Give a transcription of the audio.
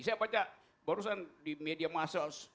saya baca barusan di media masa